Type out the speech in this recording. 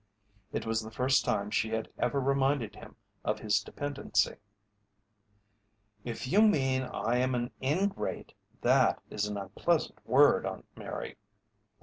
It was the first time she had ever reminded him of his dependency. "If you mean I am an ingrate, that is an unpleasant word, Aunt Mary."